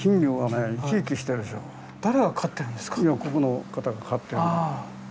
いやここの方が飼ってる。